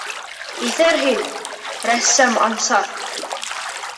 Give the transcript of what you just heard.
Иҫәр һин, рәссам Ансар!